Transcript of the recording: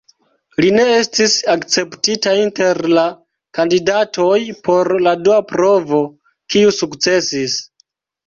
Li ne estis akceptita inter la kandidatoj por la dua provo, kiu sukcesis.